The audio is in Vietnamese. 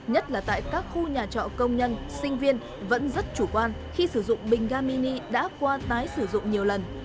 nhất là tại các khu nhà trọ công nhân sinh viên vẫn rất chủ quan khi sử dụng bình ga mini đã qua tái sử dụng nhiều lần